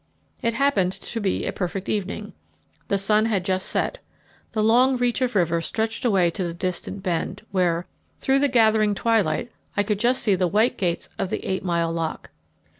It happened to be a perfect evening. The sun had just set. The long reach of river stretched away to the distant bend, where, through the gathering twilight, I could just see the white gates of the Eight Mile Lock.